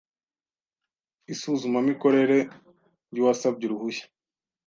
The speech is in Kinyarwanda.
isuzumamikorere y uwasabye uruhushya